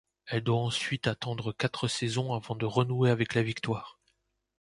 Elle doit ensuite attendre quatre saisons avant de renouer avec la victoire.